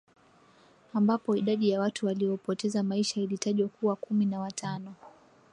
ambapo idadi ya watu waliopoteza maisha ilitajwa kuwa kumi na watano